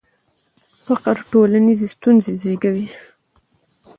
فقر ټولنیزې ستونزې زیږوي.